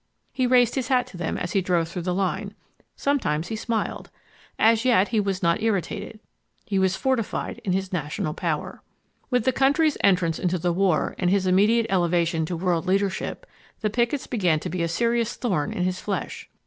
He raised his hat to them as he drove through the line. Sometimes he smiled. As yet he was not irritated. He was fortified in his national power. With the country's entrance into the war and his immediate elevation to world leadership, the pickets began to be a serious thorn in his flesh.